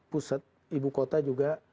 pusat ibu kota juga